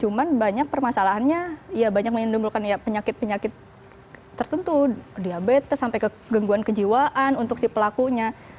cuman banyak permasalahannya ya banyak mengindungkan ya penyakit penyakit tertentu diabetes sampai kegengguan kejiwaan untuk si pelakunya